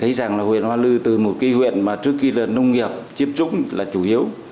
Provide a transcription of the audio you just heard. thấy rằng là huyện hoa lư từ một cái huyện mà trước kia là nông nghiệp chiếm trúng là chủ yếu